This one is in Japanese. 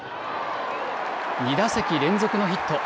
２打席連続のヒット。